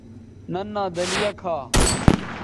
ننھا دلیہ کھا